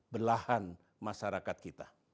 belahan masyarakat kita